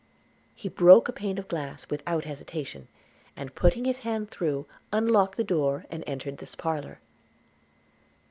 He broke a pane of glass without hesitation, and, putting his hand through, unlocked the door, and entered this parlour.